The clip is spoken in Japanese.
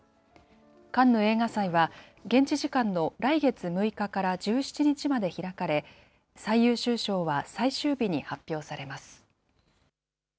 カンヌ映画祭は、現地時間の来月６日から１７日まで開かれ、最優秀賞は最終日に発表されます。